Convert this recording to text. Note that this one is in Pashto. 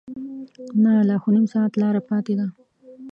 نه لا خو نیم ساعت لاره پاتې ده.